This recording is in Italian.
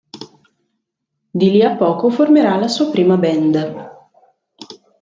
Di lì a poco formerà la sua prima band.